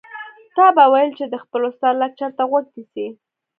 تا به ويل چې د خپل استاد لکچر ته غوږ نیسي.